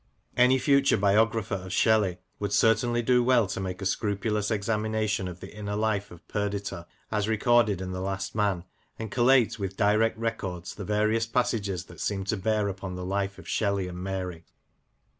Any future biographer of Shelley would certainly do well to make a scrupulous examination of the inner life of Perdita as recorded in The Last Man, and collate with direct records the various passages that seem to bear upon the life of Shelley and Mary.